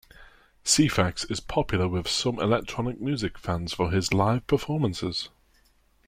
Ceephax is popular with some electronic music fans for his live performances.